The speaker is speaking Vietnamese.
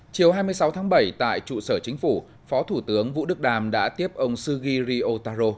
chiều hai mươi sáu tháng bảy tại trụ sở chính phủ phó thủ tướng vũ đức đàm đã tiếp ông sugiri otaro